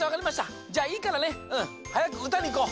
じゃあいいからねうんはやくうたにいこう。